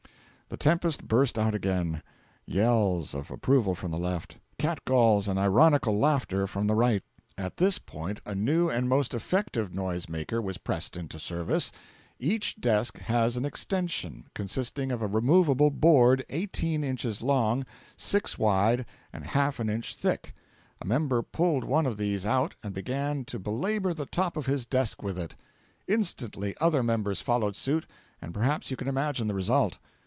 The tempest burst out again: yells of approval from the Left, catcalls and ironical laughter from the Right. At this point a new and most effective noise maker was pressed into service. Each desk has an extension, consisting of a removable board eighteen inches long, six wide, and a half inch thick. A member pulled one of these out and began to belabour the top of his desk with it. Instantly other members followed suit, and perhaps you can imagine the result.